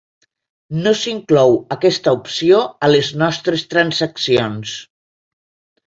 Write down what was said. No s'inclou aquesta opció a les nostres transaccions.